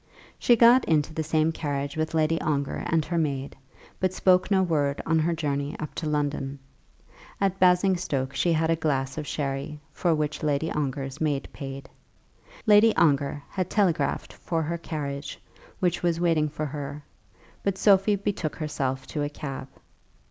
She got into the same carriage with Lady Ongar and her maid, but spoke no word on her journey up to London. At Basingstoke she had a glass of sherry, for which Lady Ongar's maid paid. Lady Ongar had telegraphed for her carriage, which was waiting for her, but Sophie betook herself to a cab.